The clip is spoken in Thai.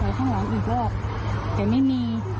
ข้างหลังอีกรอบแต่ไม่มี